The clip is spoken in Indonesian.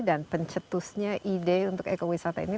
karena ide untuk eco wisata ini